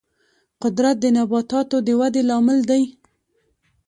قدرت د نباتاتو د ودې لامل دی.